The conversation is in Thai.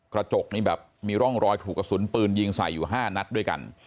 กระจกนี่แบบมีร่องรอยถูกกระสุนปืนยิงใส่อยู่๕นัดด้วยกัน